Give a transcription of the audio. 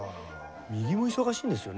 右も忙しいんですよね？